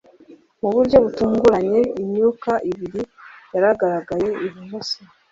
Mu buryo butunguranye imyuka ibiri yagaragaye ibumoso